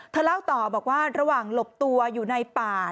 เล่าต่อบอกว่าระหว่างหลบตัวอยู่ในป่า